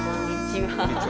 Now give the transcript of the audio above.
こんにちは。